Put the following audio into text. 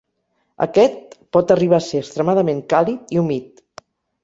Aquest pot arribar a ser extremadament càlid i humit.